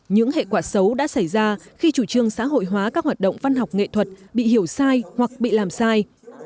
những hệ quả xấu đã xảy ra khi chủ trương xã hội hóa các hoạt động văn học nghệ thuật bị hiểu sai hoặc bị làm sai